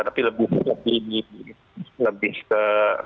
tapi lebih ke